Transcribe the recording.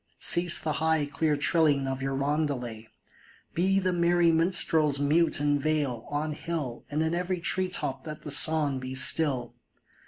Cease the high, clear trilling of your roundelay ! Be the merry minstrels mute in vale, on hill, And in every tree top let the song be still